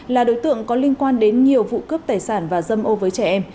là đối tượng có liên quan đến nhiều vụ cướp tài sản và dâm ô với trẻ em